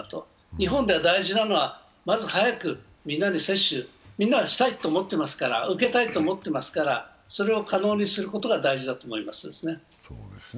日本で大事なのは、まず早く接種をみんなはしたいと思っていますから、受けたいと思っていますから、それを可能にすることが大事だと思いますね。